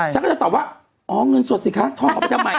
ฉันก็จะตอบว่าอ๋อเงินสดสิคะทองเอาไปทำไม